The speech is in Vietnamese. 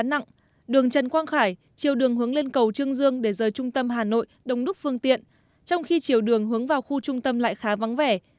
tình trạng ồn tắc diễn ra khá nặng đường trần quang khải chiều đường hướng lên cầu trương dương để rời trung tâm hà nội đồng đúc phương tiện trong khi chiều đường hướng vào khu trung tâm lại khá vắng vẻ